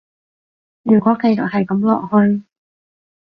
如果繼續係噉落去